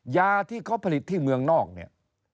ยาที่เขาผลิตที่เมืองนอกเนี่ย